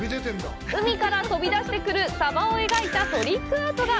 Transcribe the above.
海から飛び出してくるサバを描いたトリックアートが！